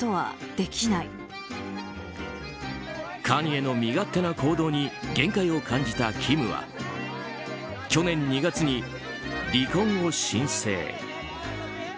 カニエの身勝手な行動に限界を感じたキムは去年２月に離婚を申請。